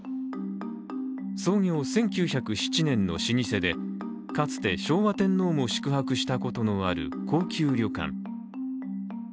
創業１９０７年の老舗で、かつて昭和天皇も宿泊したこともある高級旅館。